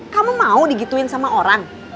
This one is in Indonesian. kamu mau digituin sama orang